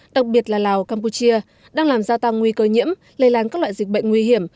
đặc biệt là lào campuchia đang làm gia tăng nguy cơ nhiễm lây lan các loại dịch bệnh nguy hiểm